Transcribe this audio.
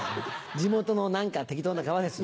地元の何か適当な川です。